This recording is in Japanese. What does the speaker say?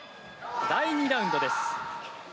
第２ラウンドです。